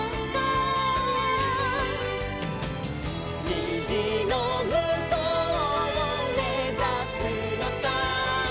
「にじのむこうをめざすのさ」